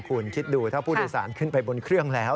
คุณคิดดูถ้าผู้โดยสารขึ้นไปบนเครื่องแล้ว